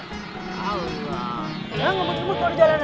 nggak ngebut ngebut kalau jalanan